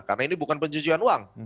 karena ini bukan penjujuan uang